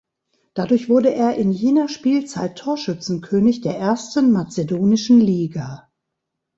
Dadurch wurde er in jener Spielzeit Torschützenkönig der ersten mazedonischen Liga.